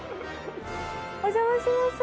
お邪魔します。